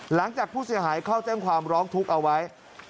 หลังจากผู้เสียหายเข้าแจ้งความร้องทุกข์เอาไว้